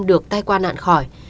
được tay qua nạn khỏi